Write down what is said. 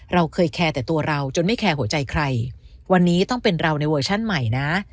เราเคยแคร์แต่ตัวเราจนไม่แคร์หัวใจใครวันนี้ต้องเป็นเราในเวอร์ชั่นใหม่นะ